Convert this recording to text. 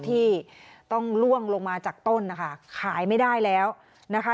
ที่ต้องล่วงลงมาจากต้นนะคะขายไม่ได้แล้วนะคะ